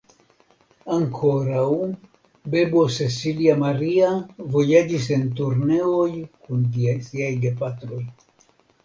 Ankoraŭ bebo Cecilia Maria vojaĝis en turneoj kun siaj gepatroj.